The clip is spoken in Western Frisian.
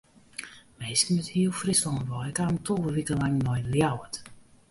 Minsken út heel Fryslân wei kamen tolve wiken lang nei Ljouwert.